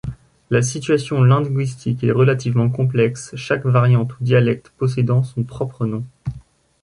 La situation linguistique est relativement complexe, chaque variante ou dialecte possédant son propre nom.